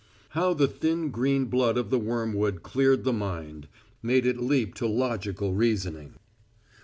How the thin green blood of the wormwood cleared the mind made it leap to logical reasoning!